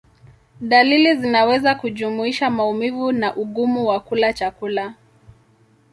Dalili zinaweza kujumuisha maumivu na ugumu wa kula chakula.